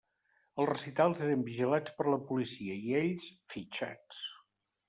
Els recitals eren vigilats per la policia i ells, fitxats.